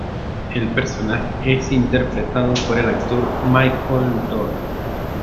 El personaje es interpretado por el actor Michael Dorn.